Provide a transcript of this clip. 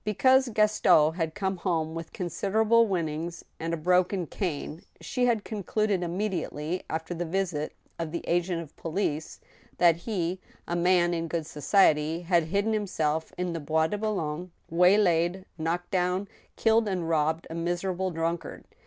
^ Because Gaston had come home with considerable winnings and a broken cane, she had concluded immediately, after the visit of the agent of police, that he, a man in good society, had hidden himself in the Bois de Boulogne, waylaid, knocked down, killed, and robbed a miserable drunkard.